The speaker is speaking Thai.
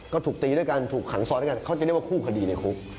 ก็ถูกตีด้วยการถูกขังซ้อนด้วยกันเขาจะเรียกว่าคู่คดีในคุก